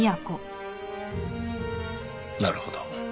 なるほど。